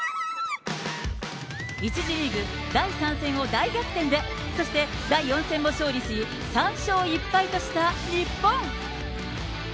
１次リーグ第３戦を大逆転で、そして、第４戦も勝利し、３勝１敗とした日本。